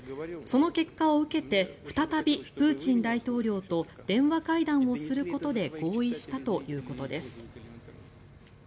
その結果を受けて再びプーチン大統領と電話会談をすることで合意したということです。